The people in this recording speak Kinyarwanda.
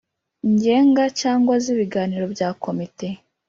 Ngenga cyangwa z ibiganiro bya komite